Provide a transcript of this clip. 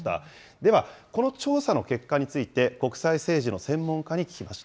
では、この調査の結果について国際政治の専門家に聞きました。